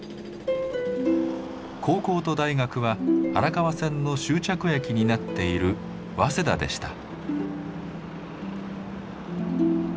高校と大学は荒川線の終着駅になっている早稲田でした。